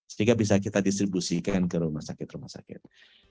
sehingga bisa kita distribusikan ke rumah sakit rumah sakit